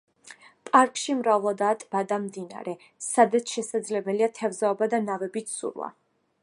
პარკში მრავლადაა ტბა და მდინარე, სადაც შესაძლებელია თევზაობა და ნავებით ცურვა.